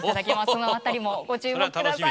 その辺りもご注目下さい。